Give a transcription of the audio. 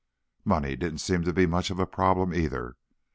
Money didn't seem to be much of a problem, either.